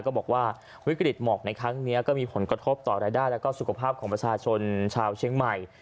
บอกว่าวิกฤตหมอกในครั้งนี้ก็มีผลกระทบต่อรายได้และสุขภาพของประชาชนชาวเชียงใหม่